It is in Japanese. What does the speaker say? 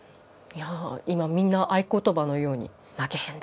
今みんな合い言葉のように「負けへんで」。